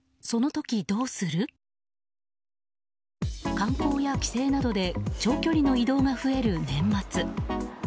観光や帰省などで長距離の移動が増える年末。